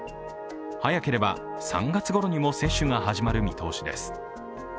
早ければ３月ごろにも接種が始まる見通しです。